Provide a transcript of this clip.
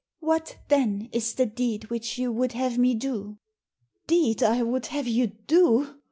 "What, then, is the deed which you would have me do?" " Deed I would have you do